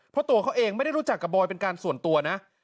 เพราะตัวเขาเองไม่ได้รู้จักกับบอยเป็นการส่วนตัวนะ